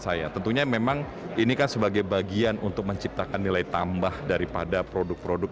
saya tentunya memang ini kan sebagai bagian untuk menciptakan nilai tambah daripada produk produk